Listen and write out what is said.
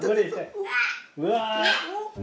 うわ。